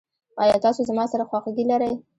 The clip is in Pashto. ایا تاسو زما سره خواخوږي لرئ؟